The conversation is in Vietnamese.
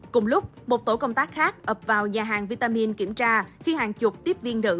cùng lúc một tổ công tác khác ập vào nhà hàng vitamin kiểm tra khi hàng chục tiếp viên nữ